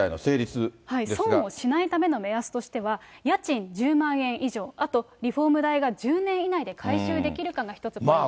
損をしないための目安としては、家賃１０万円以上、あとリフォーム代が１０年以内で回収できるかが一つポイント。